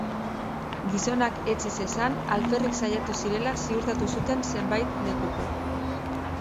Gizonak etsi zezan alferrik saiatu zirela ziurtatu zuten zenbait lekukok.